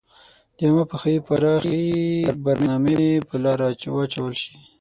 د عامه پوهاوي پراخي برنامي په لاره واچول شي.